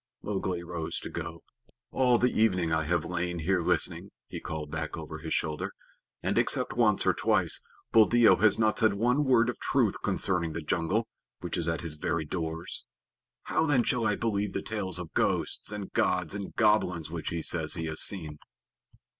Mowgli rose to go. "All the evening I have lain here listening," he called back over his shoulder, "and, except once or twice, Buldeo has not said one word of truth concerning the jungle, which is at his very doors. How, then, shall I believe the tales of ghosts and gods and goblins which he says he has seen?"